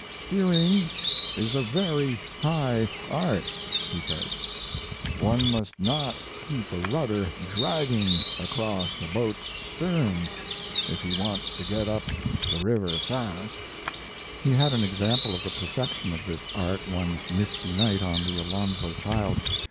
"Steering is a very high, art," he says; "one must not keep a rudder dragging across a boat's stern if he wants to get up the river fast." He had an example of the perfection of this art one misty night on the Alonzo Child.